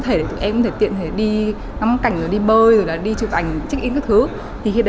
thể để tụi em có thể tiện thể đi ngắm cảnh rồi đi bơi rồi là đi chụp ảnh check in các thứ thì khi